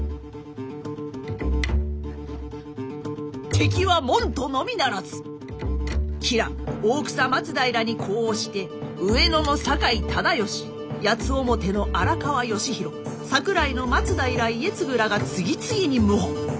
敵は門徒のみならず吉良大草松平に呼応して上野の酒井忠尚八ツ面の荒川義広桜井の松平家次らが次々に謀反。